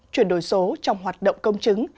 chuyển đổi số trong hoạt động công chứng